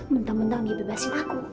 mentang mentang dia bebasin aku